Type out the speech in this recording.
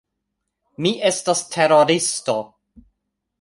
Mi estas teroristo.